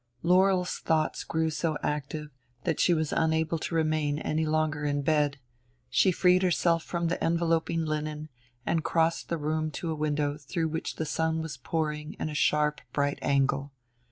Laurel's thoughts grew so active that she was unable to remain any longer in bed; she freed herself from the enveloping linen and crossed the room to a window through which the sun was pouring in a sharp bright angle.